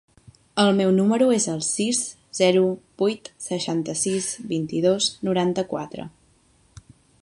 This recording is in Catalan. El meu número es el sis, zero, vuit, seixanta-sis, vint-i-dos, noranta-quatre.